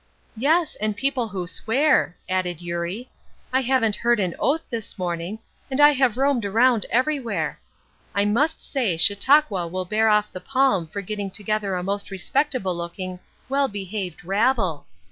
"Yes, and the people who swear," added Eurie. "I haven't heard an oath this morning, and I have roamed around everywhere. I must say Chautauqua will bear off the palm for getting together a most respectable looking, well behaved 'rabble!'